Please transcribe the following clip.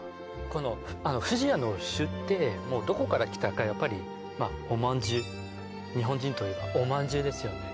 この不二家のシューってどこからきたかやっぱりおまんじゅう日本人といえばおまんじゅうですよね